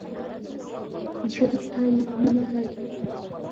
زړه د خدای مینه پالي.